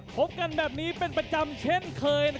พบกันแบบนี้เป็นประจำเช่นเคย